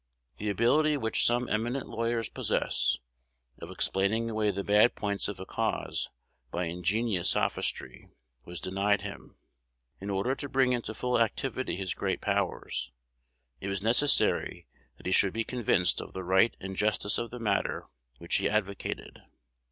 The ability which some eminent lawyers possess, of explaining away the bad points of a cause by ingenious sophistry, was denied him. In order to bring into full activity his great powers, it was necessary that he should be convinced of the right and justice of the matter which he advocated.